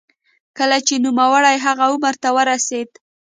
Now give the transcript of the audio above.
کله چې نوموړی هغه عمر ته ورسېد.